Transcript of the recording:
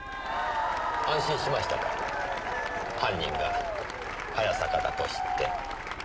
安心しましたか犯人が早坂だと知って。